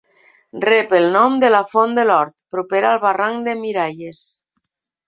Rep el nom de la Font de l'Hort, propera al barranc de Miralles.